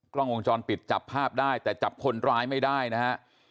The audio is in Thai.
กล้องวงจรปิดจับภาพได้แต่จับคนร้ายไม่ได้นะฮะ